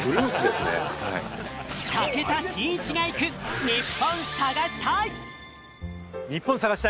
武田真一が行くニッポン探し隊。